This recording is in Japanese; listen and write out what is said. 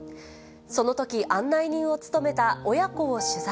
そのとき、案内人を務めた親子を取材。